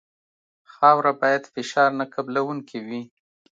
خاوره باید فشار نه قبلوونکې وي